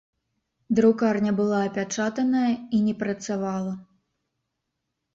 Друкарня была апячатаная і не працавала.